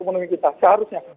menemui kita seharusnya